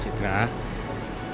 citra udah lo tenang aja ya